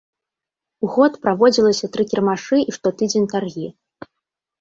У год праводзілася тры кірмашы і штотыдзень таргі.